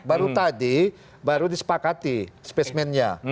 baru tadi baru disepakati spesimennya